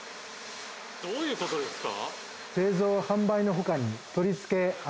どういうことですか？